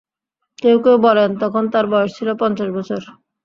কেউ কেউ বলেন, তখন তার বয়স ছিল পঞ্চাশ বছর।